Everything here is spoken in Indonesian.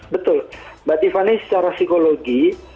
betul mbak tiffany secara psikologi